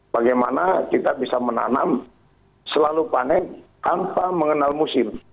bagaimana kita bisa menanam selalu panen tanpa mengenal musim